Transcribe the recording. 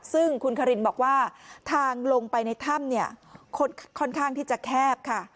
ซึ่งคุณคารินบอกว่าทางลงไปในถ้ำเนี่ยค่อนข้างที่จะแคบค่ะ